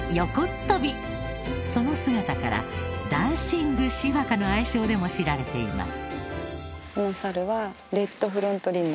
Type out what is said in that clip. その姿から「ダンシングシファカ」の愛称でも知られています。